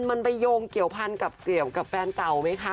มันไปโยงเกี่ยวพันกับเกี่ยวกับแฟนเก่าไหมคะ